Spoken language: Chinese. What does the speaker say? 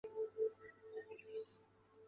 大颖草为禾本科鹅观草属下的一个种。